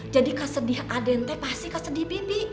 jadi kesedihan aden pasti kesedihan bibi